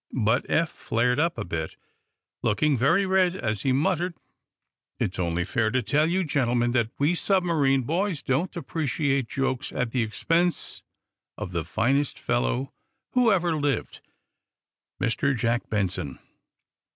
But Eph flared up a bit, looking very red, as he muttered: "It's only fair to tell you, gentlemen, that we submarine boys don't appreciate jokes at the expense of the finest fellow who ever lived Mr. Jack Benson!"